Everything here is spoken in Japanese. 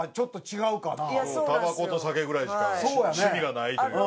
たばこと酒ぐらいしか趣味がないというか。